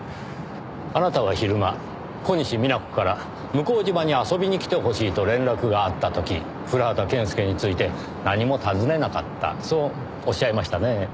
あなたは昼間小西皆子から向島に遊びに来てほしいと連絡があった時古畑健介について何も尋ねなかったそうおっしゃいましたね。